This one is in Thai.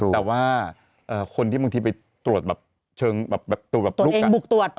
แต่ว่าคนที่บางทีไปตรวจแบบเชิงลุก